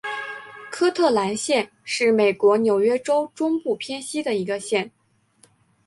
科特兰县是美国纽约州中部偏西的一个县。